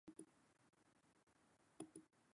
엘레베이터타고싶어요